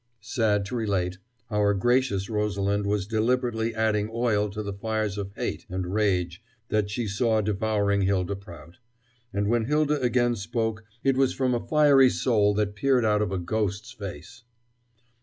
Sad to relate, our gracious Rosalind was deliberately adding oil to the fires of hate and rage that she saw devouring Hylda Prout; and when Hylda again spoke it was from a fiery soul that peered out of a ghost's face.